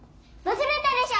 忘れたでしょ！